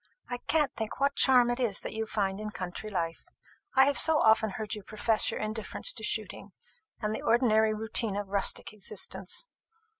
I can't think what charm it is that you find in country life. I have so often heard you profess your indifference to shooting, and the ordinary routine of rustic existence.